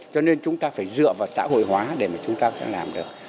cho nên chúng ta phải dựa vào xã hội hóa để mà chúng ta làm được